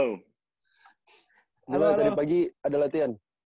halo tadi pagi ada latihan